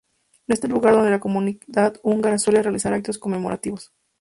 Es en este lugar donde la comunidad húngara suele realizar actos conmemorativos.